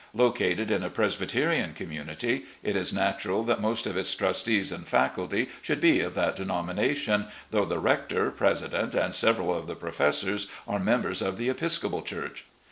Located in a Presbyterian community, it is nattual that most of its trustees and faculty should be of that denomination, though the rector, president, and several of the professors are members of the Episcopal Church.